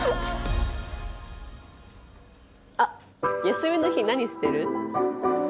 あっ「休みの日何してる？」。